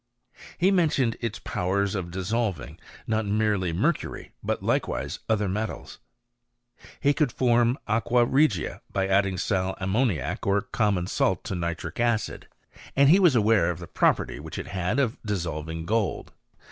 He mentions its power of dissolving, q( merely mercury, but likewise other metals. He cou form aqua regia by adding ^ai axnmouiac or commc OF AtCHTMY. 41 ^Jt to nitric acid, and he was aware of the property ^liich it had of dissolving gold.